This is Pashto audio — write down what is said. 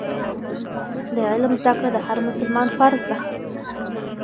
د علم زده کړه د هر مسلمان فرض دی.